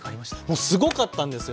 もうすごかったんですよ！